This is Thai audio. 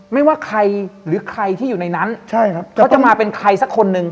ไม่ว่าใครหรือใครที่อยู่ในนั้นใช่ครับเขาจะมาเป็นใครสักคนหนึ่ง